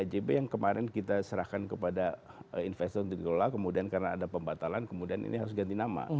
ajb yang kemarin kita serahkan kepada investor untuk dikelola kemudian karena ada pembatalan kemudian ini harus ganti nama